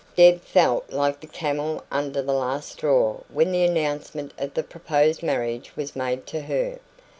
Deb felt like the camel under the last straw when the announcement of the proposed marriage was made to her.